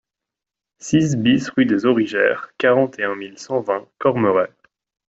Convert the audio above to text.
six BIS rue des Origères, quarante et un mille cent vingt Cormeray